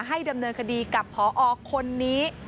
ดำเนินคดีกับพอคนนี้